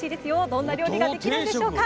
どんな料理ができるんでしょうか。